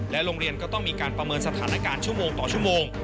โรงเรียนก็ต้องมีการประเมินสถานการณ์ชั่วโมงต่อชั่วโมง